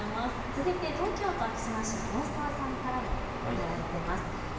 続いて東京都昭島市のおおさわさんから頂いています。